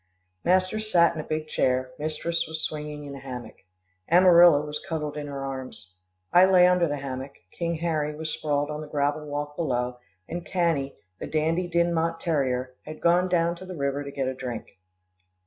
Master sat in a big chair, mistress was swinging in a hammock, Amarilla was cuddled in her arms. I lay under the hammock, King Harry was sprawled on the gravel walk below, and Cannie, the Dandie Dinmont terrier, had gone down to the river to get a drink.